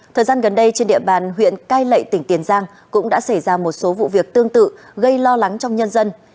thời gian gần đây trên địa bàn huyện cai lệ tỉnh tiền giang cũng đã xảy ra một số vụ việc tương tự gây lo lắng trong nhân dân